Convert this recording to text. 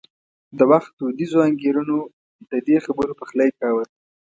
د وخت دودیزو انګېرنو د دې خبرو پخلی کاوه.